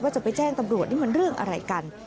จะไปแจ้งตำรวจนี่มันเรื่องอะไรกัน